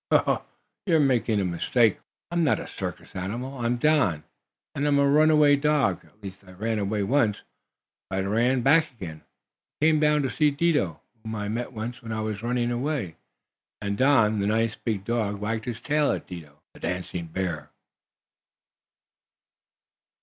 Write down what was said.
"Ho! Ho! You're making a mistake!" was the laughing answer. "I am not a circus animal. I'm Don, and I'm a runaway dog. At least I ran away once, but I ran back again. I came down to see Dido, whom I met when I was running away," and Don, the nice, big dog, wagged his tail at Dido, the dancing bear.